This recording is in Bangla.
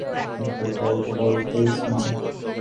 একটা গল্প বলো, প্লিজ মা!